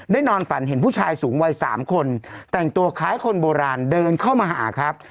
นอนฝันเห็นผู้ชายสูงวัย๓คนแต่งตัวคล้ายคนโบราณเดินเข้ามาหาครับ